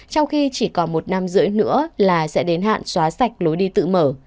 trong khi chỉ còn một năm rưỡi nữa là sẽ đến hạn xóa sạch lối đi tự mở